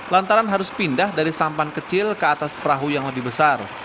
lantaran harus pindah dari sampan kecil ke atas perahu yang lebih besar